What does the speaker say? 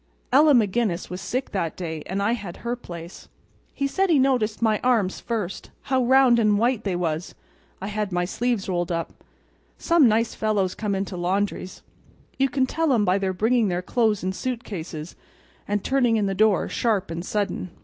Ella Maginnis was sick that day, and I had her place. He said he noticed my arms first, how round and white they was. I had my sleeves rolled up. Some nice fellows come into laundries. You can tell 'em by their bringing their clothes in suit cases; and turning in the door sharp and sudden."